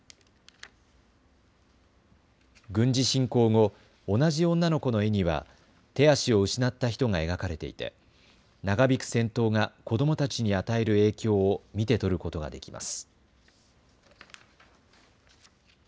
軍事侵攻後、同じ女の子の絵には手足を失った人が描かれていて長引く戦闘が子どもたちに与える影響を見て取ることができます。